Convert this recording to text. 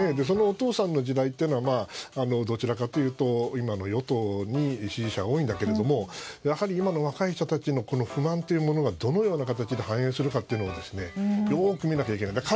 そのお父さんの時代はどちらかというと今の与党に支持者が多いんだけれどやはり今の若い人たちの不満というものがどのような形で反映するかをよく見なくてはいけない。